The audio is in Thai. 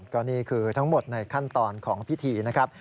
ก็นี่คือทั้งหมดในขั้นตอนของพิธีนะครับ